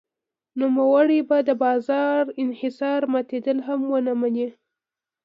نوموړی به د بازار انحصار ماتېدل هم ونه مني.